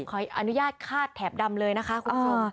ขออนุญาตคาดแถบดำเลยนะคะคุณผู้ชม